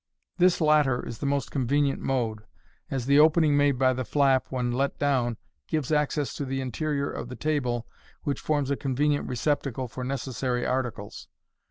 This latter is the most convenient mode, as the opening made by the nap when let down gives access to the interior of the table, which forms a convenient receptacle for necessary articles.